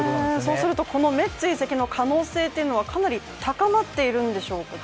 そうするとこのメッツ移籍の可能性というのはかなり高まっているんでしょうか。